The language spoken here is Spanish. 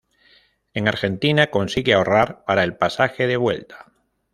En Argentina, consigue ahorrar para el pasaje de vuelta.